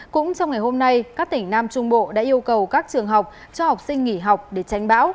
cũng trong ngày hôm nay các tỉnh nam trung bộ đã yêu cầu các trường học cho học sinh nghỉ học để tránh bão